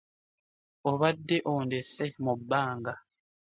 Obadde ondese mu bbanga!